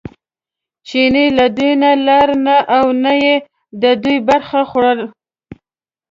چیني له دوی نه لاره نه او نه یې د دوی برخه خوړه.